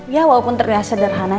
ya walaupun terlihat sederhana